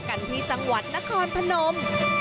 กันที่จังหวัดนครพนม